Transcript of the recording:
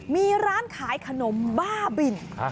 มีร้านขายขนมบ้าบิน